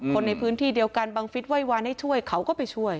คนในพื้นที่เดียวกันบังฟิศไห้วานให้ช่วยเขาก็ไปช่วย